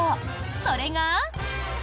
それが。